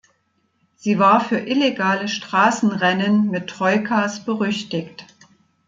Sie war für illegale Straßenrennen mit Troikas berüchtigt.